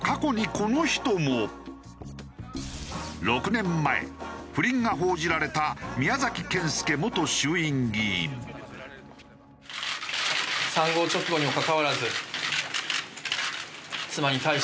６年前不倫が報じられた宮崎謙介元衆院議員。と思っております。